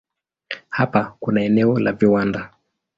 Hapa kuna eneo la viwanda.